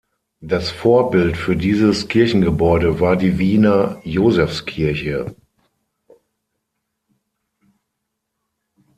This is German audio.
Das Vorbild für dieses Kirchengebäude war die Wiener Josefskirche.